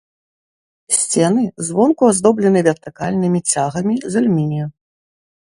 Сцены звонку аздоблены вертыкальнымі цягамі з алюмінію.